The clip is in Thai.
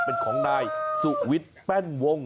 เป็นของนายสุวิทย์แป้นวง